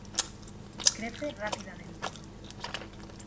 Crece rápidamente.